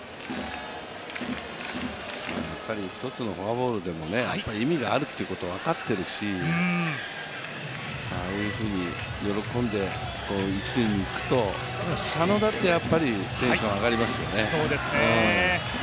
やっぱり１つのフォアボールでも意味があるって分かってるしああいうふうに喜んで一塁に行くと佐野だってテンション上がりますよね。